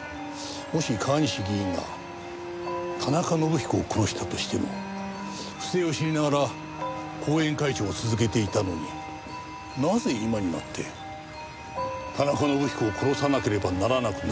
もし川西議員が田中伸彦を殺したとしても不正を知りながら後援会長を続けていたのになぜ今になって田中伸彦を殺さなければならなくなったのか。